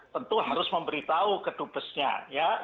tentu harus memberitahu kedubesnya ya